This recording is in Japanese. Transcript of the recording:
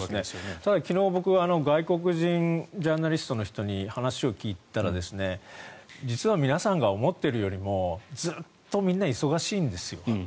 ただ、昨日、僕外国人ジャーナリストの人に話を聞いたら実は皆さんが思っているよりもずっとみんな忙しいんですよ。